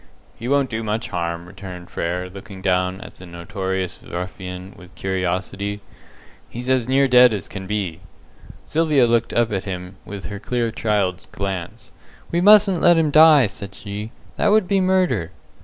"He won't do much harm," returned Frere, looking down at the notorious ruffian with curiosity. "He's as near dead as can be." Sylvia looked up at him with her clear child's glance. "We mustn't let him die," said she. "That would be murder."